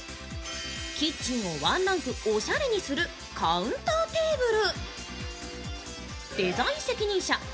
キッチンをワンランクおしゃれにするカウンターテーブル。